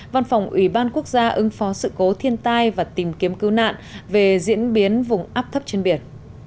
văn phòng ubnd quốc gia ưng phó sự cố thiên tai và tìm kiếm cứu nạn về diễn biến vùng áp thấp trên biển